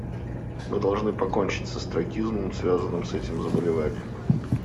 Мы должны покончить с остракизмом, связанным с этим заболеванием.